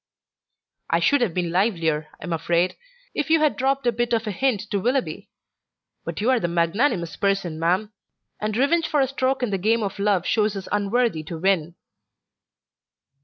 "I should have been livelier, I'm afraid, if you had dropped a bit of a hint to Willoughby. But you're the magnanimous person, ma'am, and revenge for a stroke in the game of love shows us unworthy to win."